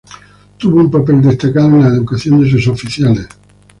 Tuvo un papel destacado en la educación de sus oficiales.